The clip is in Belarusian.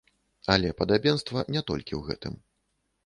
Але падабенства не толькі ў гэтым.